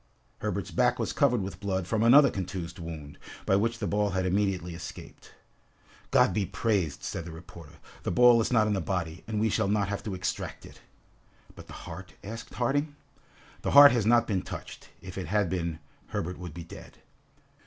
Herberts back was covered with blood from another contused wound, by which the ball had immediately escaped. "God be praised!" said the reporter, "the ball is not in the body, and we shall not have to extract it." "But the heart?" asked Harding. "The heart has not been touched; if it had been, Herbert would be dead!"